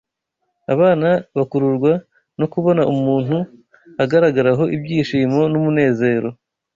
Abana bakururwa no kubona umuntu agaragaraho ibyishimo n’umunezero